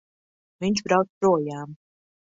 Viņš brauc projām!